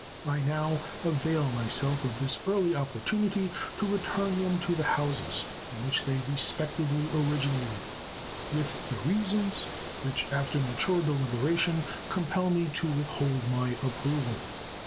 I now avail myself of this early opportunity to return them to the Houses in which they respectively originated with the reasons which, after mature deliberation, compel me to withhold my approval.